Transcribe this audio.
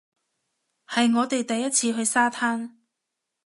係我哋第一次去沙灘